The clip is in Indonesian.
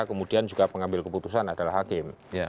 kemudian juga pengambil keputusan adalah hakim